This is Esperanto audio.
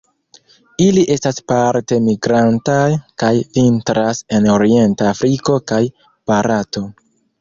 Ili estas parte migrantaj, kaj vintras en orienta Afriko kaj Barato.